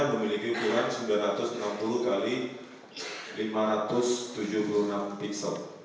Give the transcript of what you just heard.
memiliki ukuran sembilan ratus enam puluh x lima ratus tujuh puluh enam pixel